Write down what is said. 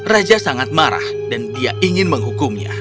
raja sangat marah dan dia ingin menghukumnya